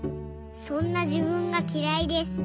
そんなじぶんがきらいです。